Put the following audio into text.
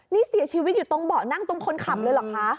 นี่เสียชีวิตอยู่ตรงเบาะนั่งตรงคนขับเลยเหรอคะ